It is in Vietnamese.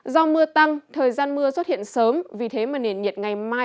do mưa tăng thời gian mưa xuất hiện sớm vì thế mà nền nhiệt ngày mai